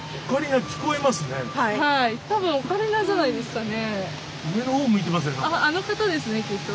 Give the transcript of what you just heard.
多分オカリナじゃないですかね？